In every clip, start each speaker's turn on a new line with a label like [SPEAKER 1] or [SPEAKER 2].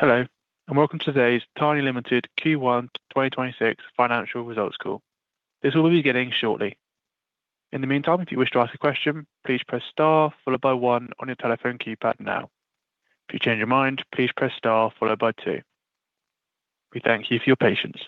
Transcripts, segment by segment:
[SPEAKER 1] Hello, and welcome to today's Tiny Ltd Q1 2026 financial results call. This will be beginning shortly. In the meantime, if you wish to ask a question, please press star followed by one on your telephone keypad now. If you change your mind, please press star followed by two. We thank you for your patience.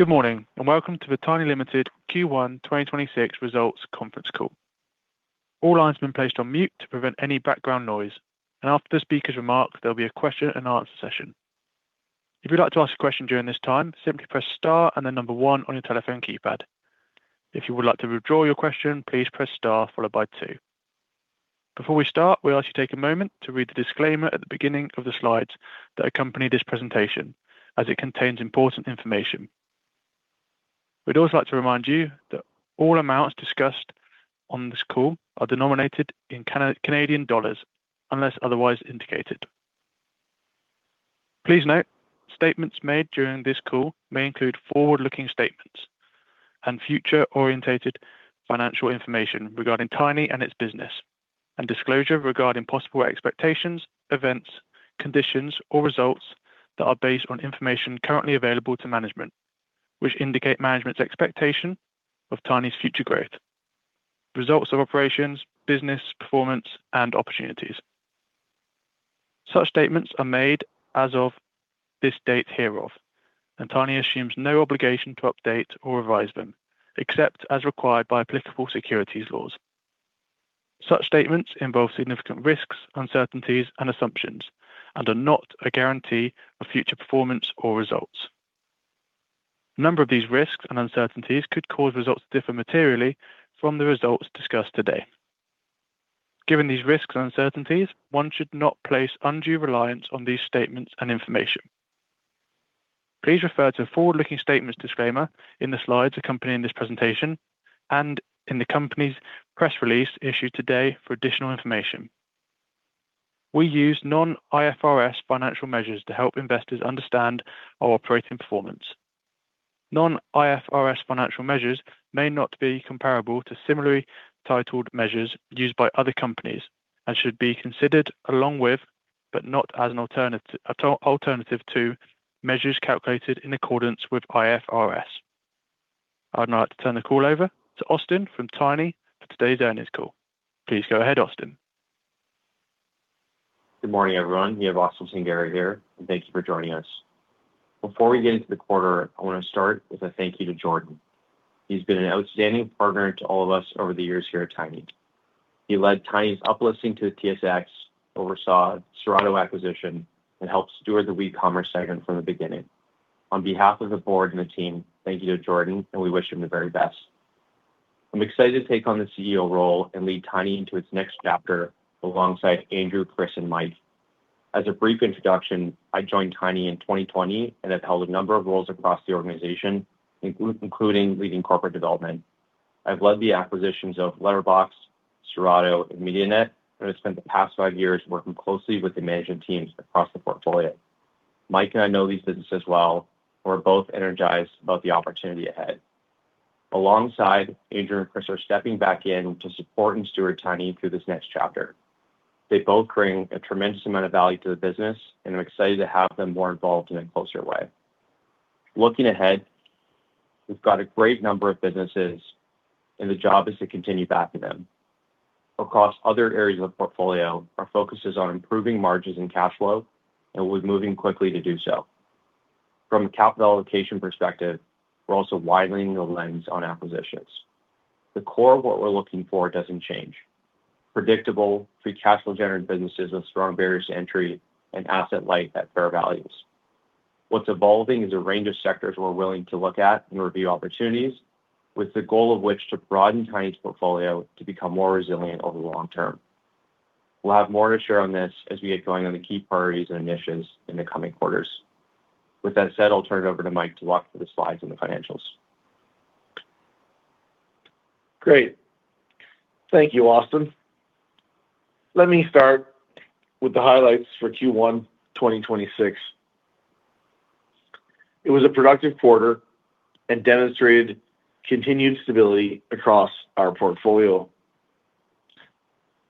[SPEAKER 1] Good morning, and welcome to the Tiny Ltd Q1 2026 results conference call. All lines have been placed on mute to prevent any background noise, and after the speaker's remarks, there'll be a question and answer session. If you'd like to ask a question during this time, simply press star and the number one on your telephone keypad. If you would like to withdraw your question, please press star followed by two. Before we start, we ask you take a moment to read the disclaimer at the beginning of the slides that accompany this presentation, as it contains important information. We'd also like to remind you that all amounts discussed on this call are denominated in Canadian dollars unless otherwise indicated. Please note, statements made during this call may include forward-looking statements and future-orientated financial information regarding Tiny and its business and disclosure regarding possible expectations, events, conditions, or results that are based on information currently available to management, which indicate management's expectation of Tiny's future growth, results of operations, business performance, and opportunities. Such statements are made as of this date hereof, and Tiny assumes no obligation to update or revise them, except as required by applicable securities laws. Such statements involve significant risks, uncertainties, and assumptions and are not a guarantee of future performance or results. A number of these risks and uncertainties could cause results to differ materially from the results discussed today. Given these risks and uncertainties, one should not place undue reliance on these statements and information. Please refer to forward-looking statements disclaimer in the slides accompanying this presentation and in the company's press release issued today for additional information. We use non-IFRS financial measures to help investors understand our operating performance. Non-IFRS financial measures may not be comparable to similarly titled measures used by other companies and should be considered along with, but not as an alternative to, measures calculated in accordance with IFRS. I'd now like to turn the call over to Austin from Tiny for today's earnings call. Please go ahead, Austin.
[SPEAKER 2] Good morning, everyone. You have Austin Singhera here, and thank you for joining us. Before we get into the quarter, I want to start with a thank you to Jordan. He's been an outstanding partner to all of us over the years here at Tiny. He led Tiny's uplisting to the TSX, oversaw Serato acquisition, and helped steward the WeCommerce segment from the beginning. On behalf of the board and the team, thank you to Jordan. We wish him the very best. I'm excited to take on the CEO role and lead Tiny into its next chapter alongside Andrew, Chris, and Mike. As a brief introduction, I joined Tiny in 2020 and have held a number of roles across the organization, including leading corporate development. I've led the acquisitions of Letterboxd, Serato, and MediaNet, and I've spent the past five years working closely with the management teams across the portfolio. Mike and I know these businesses well. We're both energized about the opportunity ahead. Alongside Andrew and Chris are stepping back in to support and steward Tiny through this next chapter. They both bring a tremendous amount of value to the business, and I'm excited to have them more involved in a closer way. Looking ahead, we've got a great number of businesses, and the job is to continue backing them. Across other areas of the portfolio, our focus is on improving margins and cash flow, and we're moving quickly to do so. From a capital allocation perspective, we're also widening the lens on acquisitions. The core of what we're looking for doesn't change. Predictable free cash flow generated businesses with strong barriers to entry and asset-light at fair values. What's evolving is a range of sectors we're willing to look at and review opportunities with the goal of which to broaden Tiny's portfolio to become more resilient over the long term. We'll have more to share on this as we get going on the key priorities and initiatives in the coming quarters. With that said, I'll turn it over to Mike to walk through the slides and the financials.
[SPEAKER 3] Great. Thank you, Austin. Let me start with the highlights for Q1 2026. It was a productive quarter and demonstrated continued stability across our portfolio.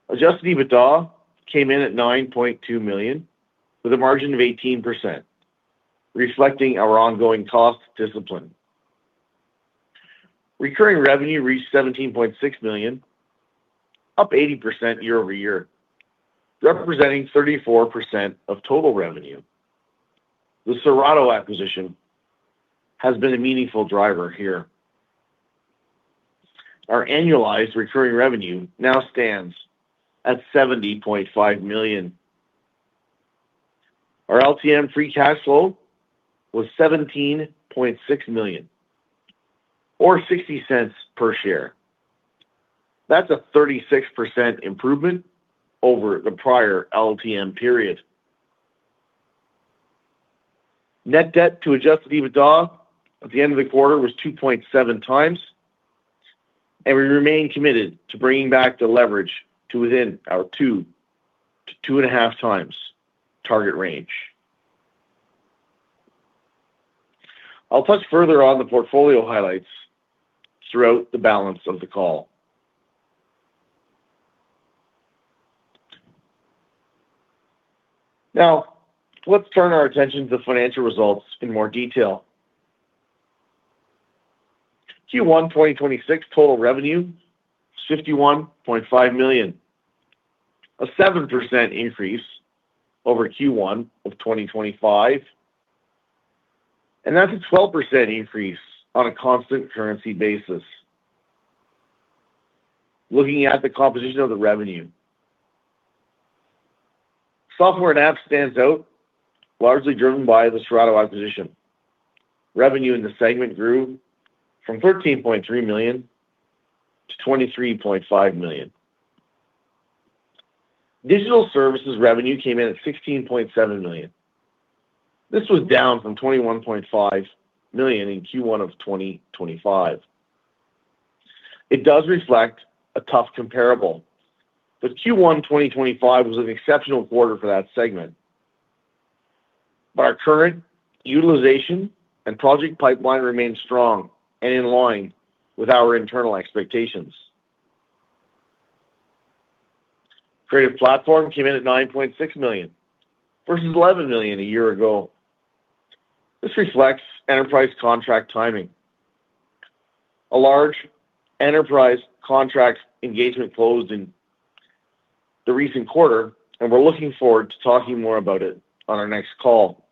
[SPEAKER 3] Adjusted EBITDA came in at 9.2 million with a margin of 18%, reflecting our ongoing cost discipline. Recurring revenue reached 17.6 million, up 80% year-over-year, representing 34% of total revenue. The Serato acquisition has been a meaningful driver here. Our annualized recurring revenue now stands at 70.5 million. Our LTM free cash flow was 17.6 million or 0.60 per share. That's a 36% improvement over the prior LTM period. Net debt to adjusted EBITDA at the end of the quarter was 2.7x, and we remain committed to bringing back the leverage to within our 2x-2.5x target range. I'll touch further on the portfolio highlights throughout the balance of the call. Now, let's turn our attention to financial results in more detail. Q1 2026 total revenue is 51.5 million, a 7% increase over Q1 2025, and that's a 12% increase on a constant currency basis. Looking at the composition of the revenue. Software & Apps stands out, largely driven by the Serato acquisition. Revenue in the segment grew from 13.3 million to 23.5 million. Digital Services revenue came in at 16.7 million. This was down from 21.5 million in Q1 2025. It does reflect a tough comparable, but Q1 2025 was an exceptional quarter for that segment. Our current utilization and project pipeline remains strong and in line with our internal expectations. Creative Platform came in at 9.6 million versus 11 million a year ago. This reflects enterprise contract timing. A large enterprise contracts engagement closed in the recent quarter. We're looking forward to talking more about it on our next call.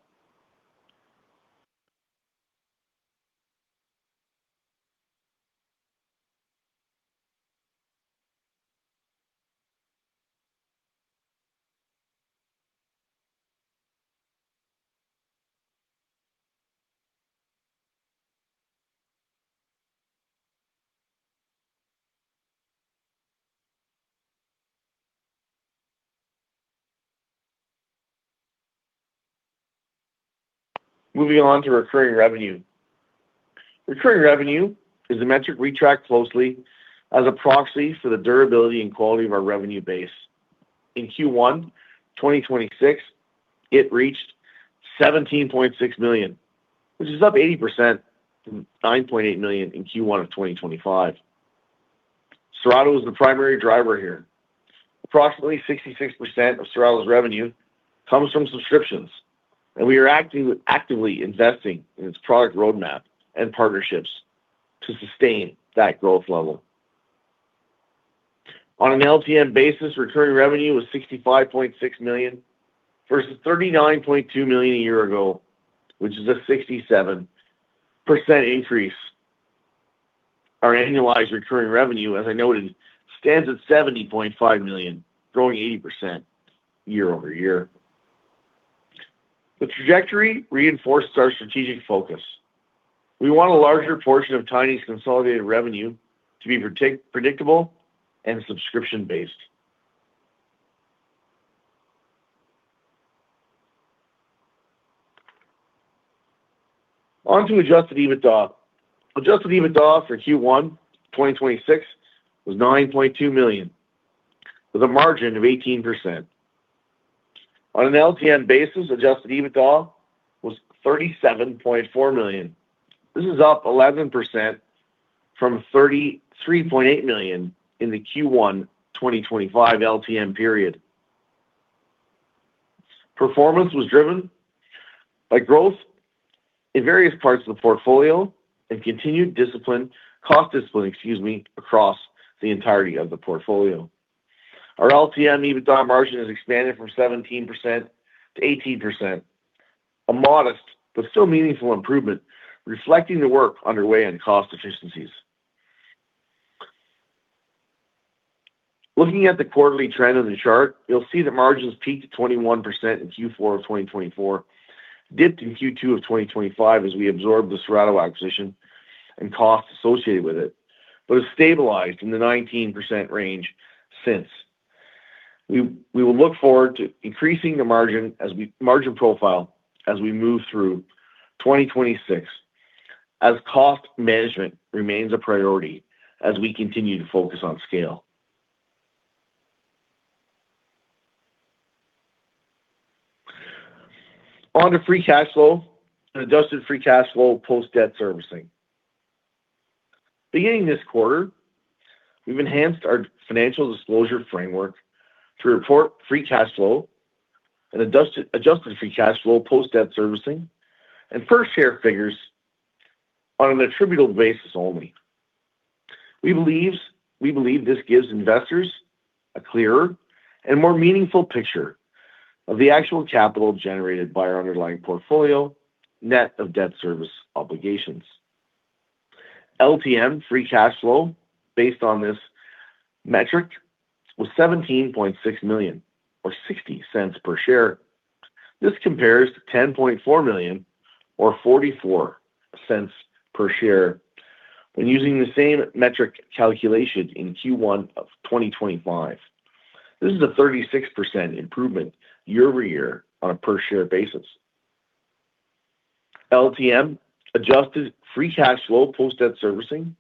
[SPEAKER 3] Moving on to recurring revenue. Recurring revenue is a metric we track closely as a proxy for the durability and quality of our revenue base. In Q1 2026, it reached 17.6 million, which is up 80% from 9.8 million in Q1 2025. Serato is the primary driver here. Approximately 66% of Serato's revenue comes from subscriptions. We are actively investing in its product roadmap and partnerships to sustain that growth level. On an LTM basis, recurring revenue was 65.6 million versus 39.2 million a year ago, which is a 67% increase. Our annualized recurring revenue, as I noted, stands at 70.5 million, growing 80% year-over-year. The trajectory reinforced our strategic focus. We want a larger portion of Tiny's consolidated revenue to be predictable and subscription-based. On to adjusted EBITDA. Adjusted EBITDA for Q1 2026 was 9.2 million, with a margin of 18%. On an LTM basis, adjusted EBITDA was 37.4 million. This is up 11% from 33.8 million in the Q1 2025 LTM period. Performance was driven by growth in various parts of the portfolio and continued discipline, cost discipline, excuse me, across the entirety of the portfolio. Our LTM EBITDA margin has expanded from 17% to 18%, a modest but still meaningful improvement reflecting the work underway on cost efficiencies. Looking at the quarterly trend on the chart, you'll see that margins peaked at 21% in Q4 of 2024, dipped in Q2 of 2025 as we absorbed the Serato acquisition and costs associated with it, but have stabilized in the 19% range since. We will look forward to increasing the margin profile as we move through 2026, as cost management remains a priority as we continue to focus on scale. On to free cash flow and adjusted free cash flow post-debt servicing. Beginning this quarter, we've enhanced our financial disclosure framework to report free cash flow and adjusted free cash flow post-debt servicing and per share figures on an attributable basis only. We believe this gives investors a clearer and more meaningful picture of the actual capital generated by our underlying portfolio net of debt service obligations. LTM free cash flow based on this metric was 17.6 million or 0.60 per share. This compares to 10.4 million or 0.44 per share when using the same metric calculation in Q1 of 2025. This is a 36% improvement year-over-year on a per share basis. LTM adjusted free cash flow post-debt servicing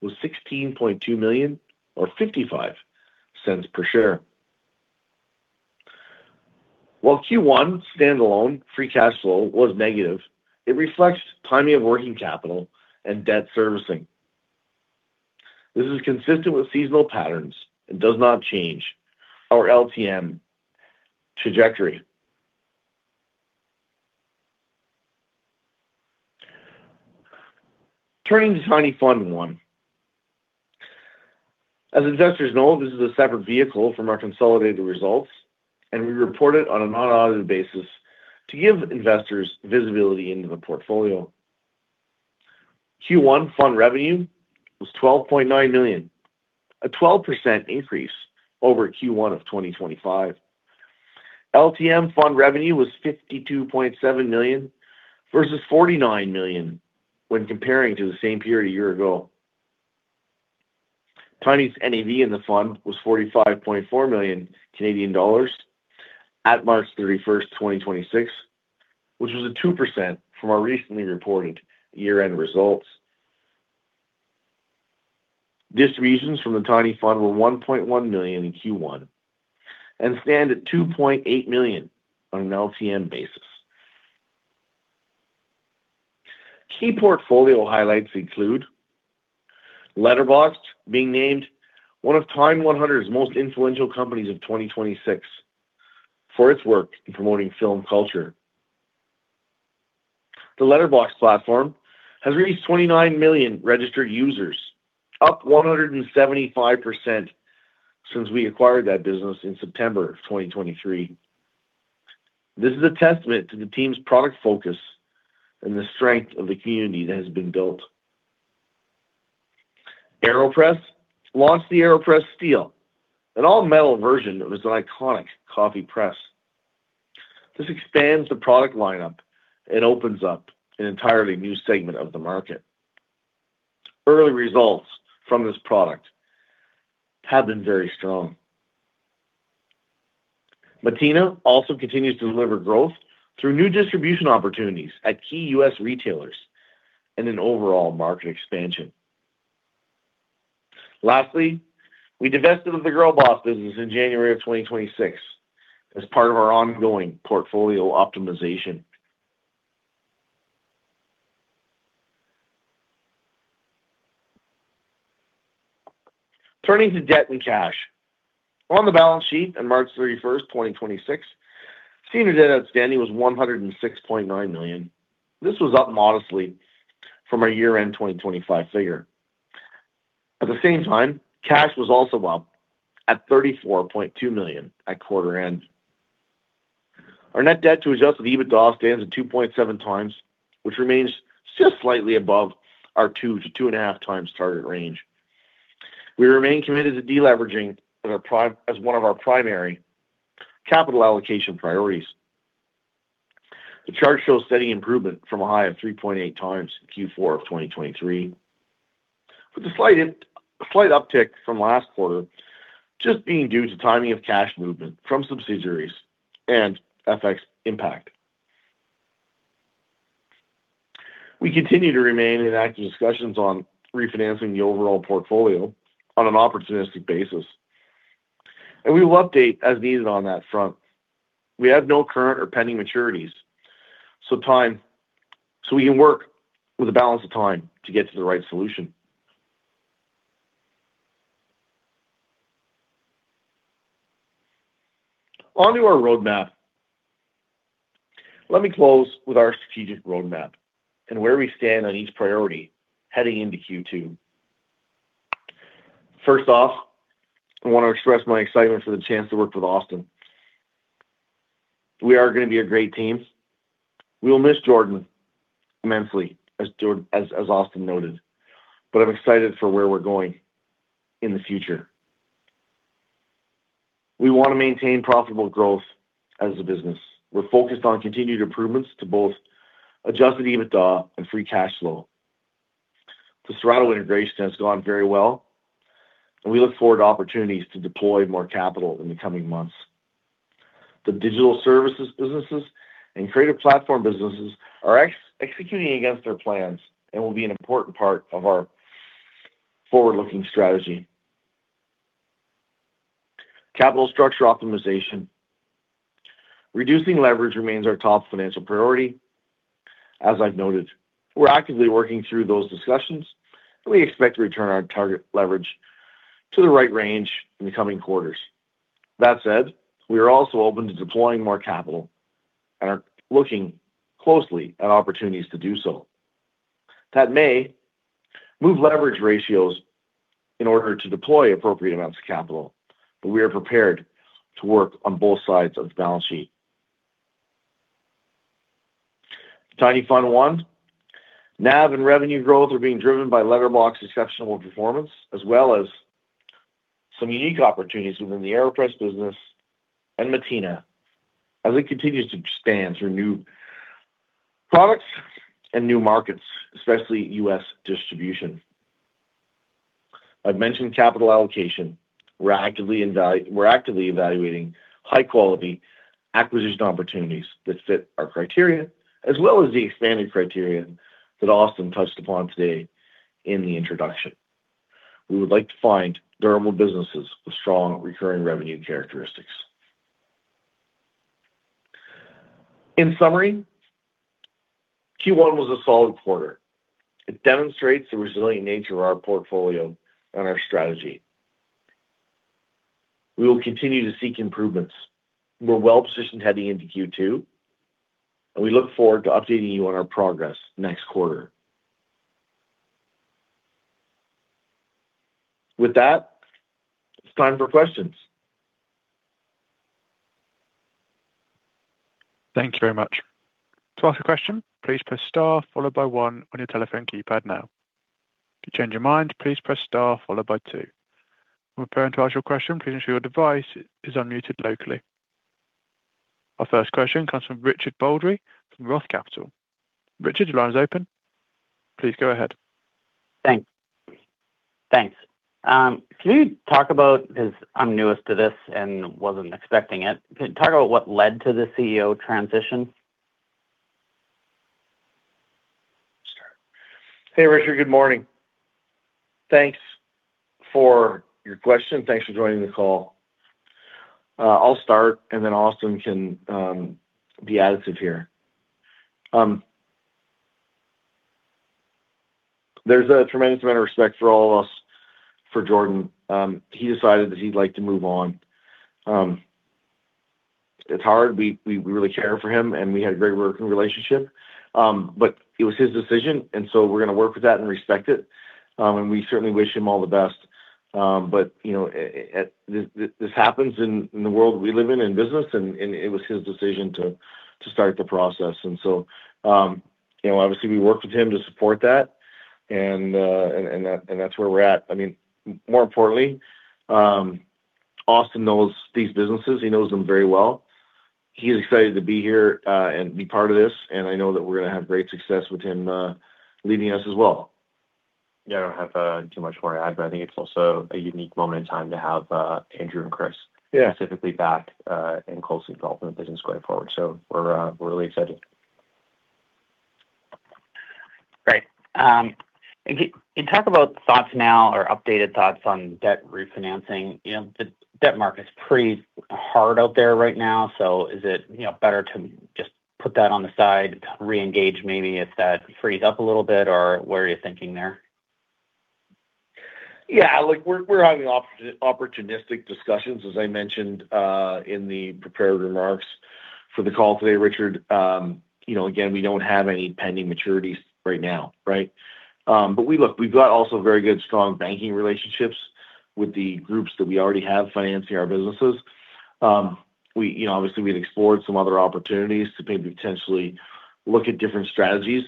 [SPEAKER 3] was 16.2 million or 0.55 per share. While Q1 standalone free cash flow was negative, it reflects timing of working capital and debt servicing. This is consistent with seasonal patterns and does not change our LTM trajectory. Turning to Tiny Fund I, as investors know, this is a separate vehicle from our consolidated results and we report it on an unaudited basis to give investors visibility into the portfolio. Q1 fund revenue was 12.9 million, a 12% increase over Q1 of 2025. LTM fund revenue was 52.7 million versus 49 million when comparing to the same period a year ago. Tiny's NAV in the fund was 45.4 million Canadian dollars at March 31st, 2026, which was a 2% from our recently reported year-end results. Distributions from the Tiny Fund I were 1.1 million in Q1 and stand at 2.8 million on an LTM basis. Key portfolio highlights include Letterboxd being named one of TIME100 Most Influential Companies of 2026 for its work in promoting film culture. The Letterboxd platform has reached 29 million registered users, up 175% since we acquired that business in September of 2023. This is a testament to the team's product focus and the strength of the community that has been built. AeroPress launched the AeroPress Steel, an all-metal version of its iconic coffee press. This expands the product lineup and opens up an entirely new segment of the market. Early results from this product have been very strong. Mateina also continues to deliver growth through new distribution opportunities at key U.S. retailers and an overall market expansion. Lastly, we divested of the Girlboss business in January of 2026 as part of our ongoing portfolio optimization. Turning to debt and cash. On the balance sheet on March 31st, 2026, senior debt outstanding was 106.9 million. This was up modestly from our year-end 2025 figure. At the same time, cash was also up at 34.2 million at quarter end. Our net debt to adjusted EBITDA stands at 2.7x, which remains just slightly above our 2x-2.5x target range. We remain committed to deleveraging as one of our primary capital allocation priorities. The chart shows steady improvement from a high of 3.8x in Q4 of 2023, with a slight uptick from last quarter just being due to timing of cash movement from subsidiaries and FX impact. We continue to remain in active discussions on refinancing the overall portfolio on an opportunistic basis. We will update as needed on that front. We have no current or pending maturities, so we can work with a balance of time to get to the right solution. On to our roadmap. Let me close with our strategic roadmap and where we stand on each priority heading into Q2. First off, I want to express my excitement for the chance to work with Austin. We are gonna be a great team. We will miss Jordan immensely, as Austin noted, but I'm excited for where we're going in the future. We want to maintain profitable growth as a business. We're focused on continued improvements to both adjusted EBITDA and free cash flow. The Serato integration has gone very well, and we look forward to opportunities to deploy more capital in the coming months. The Digital Services businesses and Creative Platform businesses are executing against their plans and will be an important part of our forward-looking strategy. Capital structure optimization. Reducing leverage remains our top financial priority, as I've noted. We're actively working through those discussions, and we expect to return our target leverage to the right range in the coming quarters. That said, we are also open to deploying more capital and are looking closely at opportunities to do so. That may move leverage ratios in order to deploy appropriate amounts of capital, but we are prepared to work on both sides of the balance sheet. Tiny Fund I. NAV and revenue growth are being driven by Letterboxd's exceptional performance, as well as some unique opportunities within the AeroPress business and Mateina as it continues to expand through new products and new markets, especially U.S. distribution. I've mentioned capital allocation. We're actively evaluating high-quality acquisition opportunities that fit our criteria, as well as the expanded criterion that Austin touched upon today in the introduction. We would like to find durable businesses with strong recurring revenue characteristics. In summary, Q1 was a solid quarter. It demonstrates the resilient nature of our portfolio and our strategy. We will continue to seek improvements. We're well-positioned heading into Q2, and we look forward to updating you on our progress next quarter. With that, it's time for questions.
[SPEAKER 1] Thank you very much. To ask a question, please press star followed by one on your telephone keypad. Now, to change your mind, please press star followed by two. Preparing to ask your question, please ensure your device is unmuted locally. Our first question comes from Richard Baldry from Roth Capital. Richard, your line is open. Please go ahead.
[SPEAKER 4] Thanks. Thanks. Can you talk about 'cause I'm newest to this and wasn't expecting it. Can you talk about what led to the CEO transition?
[SPEAKER 3] Hey, Richard. Good morning. Thanks for your question. Thanks for joining the call. I'll start, and then Austin can be additive here. There's a tremendous amount of respect for all of us for Jordan. He decided that he'd like to move on. It's hard. We really care for him, and we had a great working relationship. It was his decision, and so we're gonna work with that and respect it, and we certainly wish him all the best. You know, this happens in the world we live in business, and it was his decision to start the process. You know, obviously we worked with him to support that, and that's where we're at. I mean, more importantly, Austin knows these businesses, he knows them very well. He's excited to be here and be part of this, and I know that we're gonna have great success with him leading us as well.
[SPEAKER 2] Yeah, I don't have too much more to add, but I think it's also a unique moment in time to have Andrew and Chris.
[SPEAKER 3] Yeah.
[SPEAKER 2] Specifically back, in close involvement with business going forward. We're really excited.
[SPEAKER 4] Great. Can you talk about thoughts now or updated thoughts on debt refinancing? You know, the debt market's pretty hard out there right now, is it, you know, better to just put that on the side, re-engage maybe if that frees up a little bit, or where are you thinking there?
[SPEAKER 3] Yeah. We're having opportunistic discussions, as I mentioned in the prepared remarks for the call today, Richard. You know, again, we don't have any pending maturities right now, right? We've got also very good, strong banking relationships with the groups that we already have financing our businesses. We, you know, obviously we'd explored some other opportunities to maybe potentially look at different strategies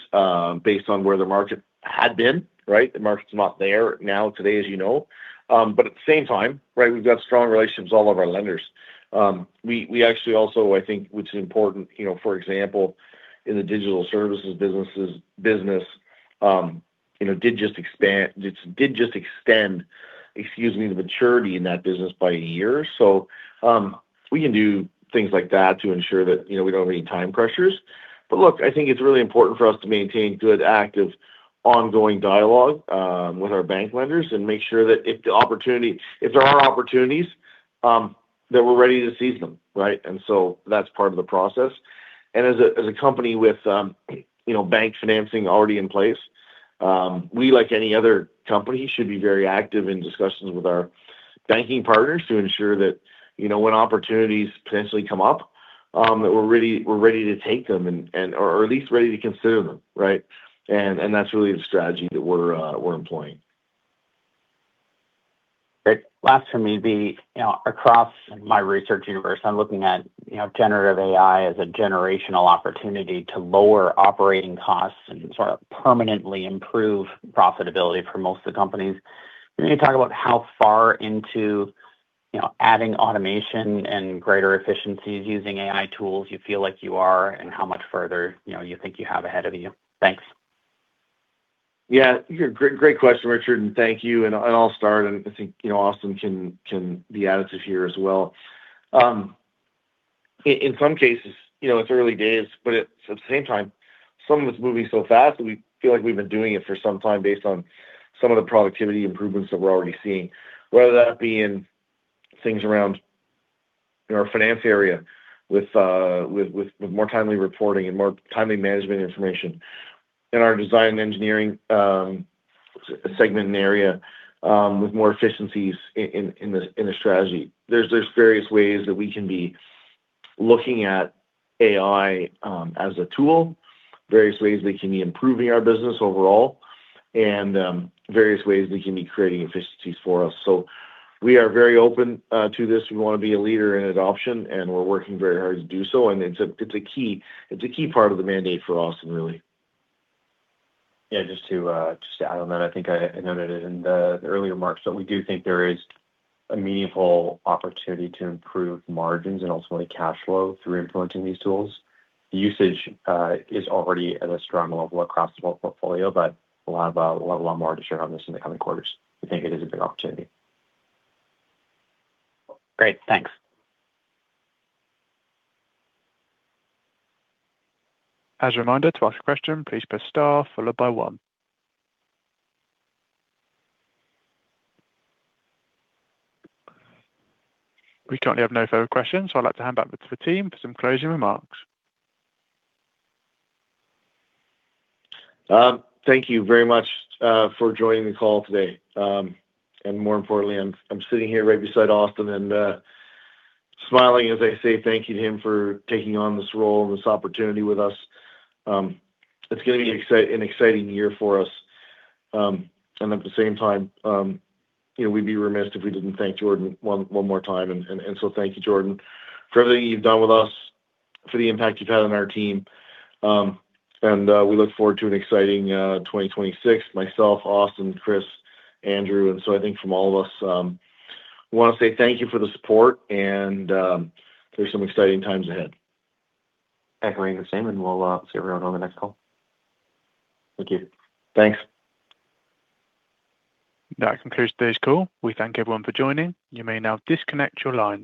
[SPEAKER 3] based on where the market had been, right? The market's not there now today, as you know. At the same time, we've got strong relationships with all of our lenders. We actually also, I think, which is important, you know, for example, in the Digital Services business, you know, did just extend, excuse me, the maturity in that business by a year. We can do things like that to ensure that, you know, we don't have any time pressures. Look, I think it's really important for us to maintain good, active, ongoing dialogue with our bank lenders and make sure that if there are opportunities that we're ready to seize them, right? That's part of the process. As a company with, you know, bank financing already in place, we, like any other company, should be very active in discussions with our banking partners to ensure that, you know, when opportunities potentially come up, that we're ready, we're ready to take them, and or at least ready to consider them, right? That's really the strategy that we're employing.
[SPEAKER 4] Great. Last for me, you know, across my research universe, I am looking at, you know, generative AI as a generational opportunity to lower operating costs and sort of permanently improve profitability for most of the companies. Can you talk about how far into, you know, adding automation and greater efficiencies using AI tools you feel like you are, and how much further, you know, you think you have ahead of you? Thanks.
[SPEAKER 3] Great, great question, Richard, and thank you. I'll start. I think, you know, Austin can be additive here as well. In some cases, you know, it's early days, but at the same time, some of it's moving so fast that we feel like we've been doing it for some time based on some of the productivity improvements that we're already seeing, whether that be in things around our finance area with more timely reporting and more timely management information. In our design and engineering segment and area, with more efficiencies in the strategy. There's various ways that we can be looking at AI as a tool, various ways we can be improving our business overall, various ways we can be creating efficiencies for us. We are very open to this. We wanna be a leader in adoption, and we're working very hard to do so, and it's a key part of the mandate for Austin, really.
[SPEAKER 2] Yeah. Just to add on that, I think I noted it in the earlier remarks. We do think there is a meaningful opportunity to improve margins and ultimately cash flow through implementing these tools. The usage is already at a strong level across the whole portfolio. We'll have a lot more to share on this in the coming quarters. We think it is a big opportunity.
[SPEAKER 4] Great. Thanks.
[SPEAKER 1] As a reminder, to ask a question, please press star followed by one. We currently have no further questions, so I'd like to hand back to the team for some closing remarks.
[SPEAKER 3] Thank you very much for joining the call today. More importantly, I'm sitting here right beside Austin and smiling as I say thank you to him for taking on this role and this opportunity with us. It's gonna be an exciting year for us. At the same time, you know, we'd be remiss if we didn't thank Jordan one more time. Thank you, Jordan, for everything you've done with us, for the impact you've had on our team. We look forward to an exciting 2026, myself, Austin, Chris, Andrew. I think from all of us, we wanna say thank you for the support and there's some exciting times ahead.
[SPEAKER 2] Echoing the same, we'll see everyone on the next call. Thank you.
[SPEAKER 3] Thanks.
[SPEAKER 1] That concludes today's call. We thank everyone for joining. You may now disconnect your lines.